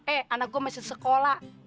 eh anak gua masih sekolah